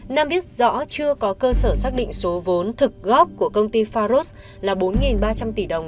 nam biết rõ chưa có cơ sở xác định số vốn thực góp của công ty faros là bốn ba trăm linh tỷ đồng